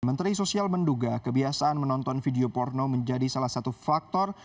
menteri sosial menduga kebiasaan menonton video porno menjadi salah satu faktor